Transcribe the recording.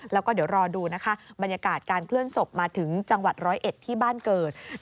แล้วก็เดี๋ยวรอดูนะคะบรรยากาศการเคลื่อนศพมาถึงจังหวัดร้อยเอ็ดที่บ้านเกิด